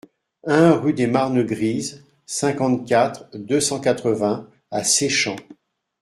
un rue des Marnes Grises, cinquante-quatre, deux cent quatre-vingts à Seichamps